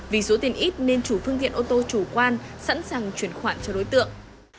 vì số tiền ít nên chủ phương tiện ô tô chủ quan sẵn sàng chuyển khoản cho đối tượng